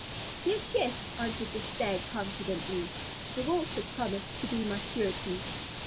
"Yes, yes," answered the Stag confidently, "the Wolf has promised to be my surety."